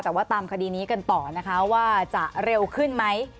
แต่ว่าตามคดีนี้กันต่อนะคะว่าจะเร็วขึ้นไหม